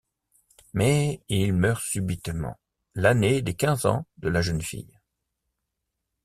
Mais il meurt subitement, l'année des quinze ans de la jeune fille.